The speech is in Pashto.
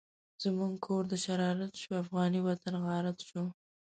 زموږ کور د شرارت شو، افغانی وطن غارت شو